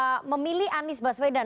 oke baik memilih anies paswedan